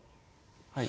はい。